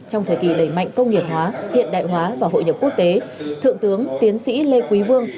trong thời kỳ đẩy mạnh công nghiệp hóa hiện đại hóa và hội nhập quốc tế thượng tướng tiến sĩ lê quý vương